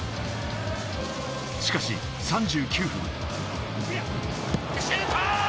しかし３９分。